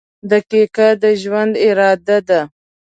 • دقیقه د ژوند اراده ده.